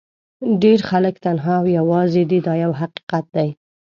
ډېر خلک تنها او یوازې دي دا یو حقیقت دی.